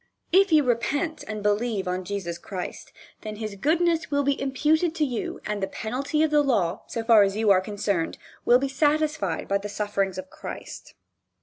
If you repent and believe on Jesus Christ, then his goodness will be imputed to you and the penalty of the law, so far as you are concerned, will be satisfied by the sufferings of Christ.